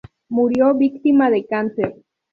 Murió víctima de cáncer.